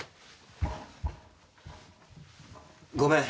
ごめん。